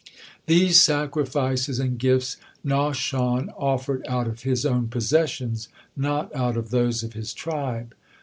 These sacrifices and gifts Nahshon offered out of his own possessions, not out of those of his tribe.